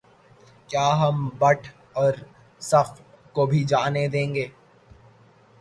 کیا ہم بٹ اور صف کو بھی جانے دیں گے